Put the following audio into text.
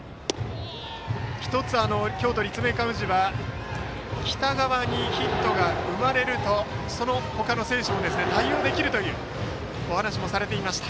１つ、京都・立命館宇治は北川にヒットが生まれるとその他の選手も対応できるというお話もされていました。